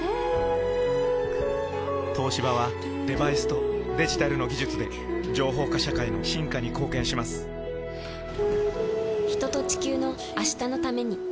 東芝はデバイスとデジタルの技術で情報化社会の進化に貢献します人と、地球の、明日のために。